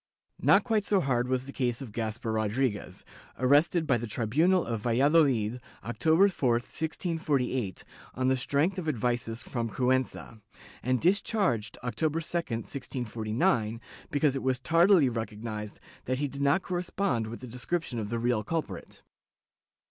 Not quite so hard was the case of Gaspar Rodriguez, arrested by the tribunal of Valladolid, October 4, 1648, on the strength of advices from Cuenca, and dis charged October 2, 1649, because it was tardily recognized that he did not correspond with the description of the real culprit.